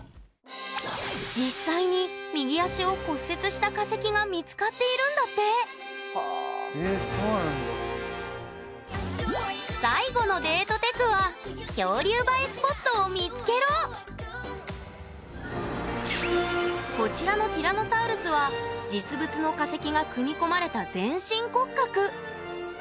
実際に右足を骨折した化石が見つかっているんだって最後のデートテクはこちらのティラノサウルスは実物の化石が組み込まれた全身骨格。